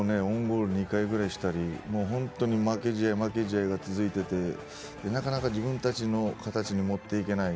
オウンゴールを２回ぐらいしたり本当に負け試合が続いていてなかなか自分たちの形にもっていけない。